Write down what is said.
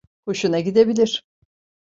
Hoşuna gidebilir.